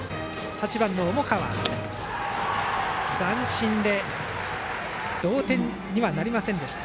８番の重川、三振で同点にはなりませんでした。